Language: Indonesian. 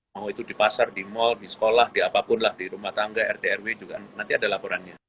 mau itu di pasar di mall di sekolah di apapun lah di rumah tangga rt rw juga nanti ada laporannya